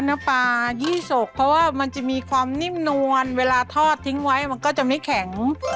น้ำปลายี่สกเพราะว่ามันจะมีความนิ่มนวลเวลาทอดทิ้งไว้มันก็จะไม่แข็ง